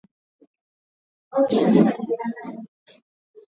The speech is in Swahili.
Mafuta ya kupikia